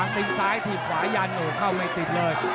ตีนซ้ายถีบขวายันโอ้เข้าไม่ติดเลย